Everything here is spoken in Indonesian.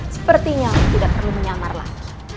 sepertinya tidak perlu menyamar lagi